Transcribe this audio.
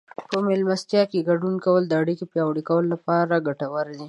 په مېلمستیاوو کې ګډون کول د اړیکو پیاوړي کولو لپاره ګټور دي.